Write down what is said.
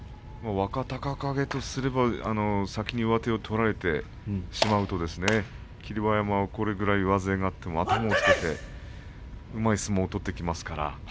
若隆景とすれば先に上手を取られてしまうと霧馬山は上背があっても頭をつけてうまい相撲を取ってきますからね。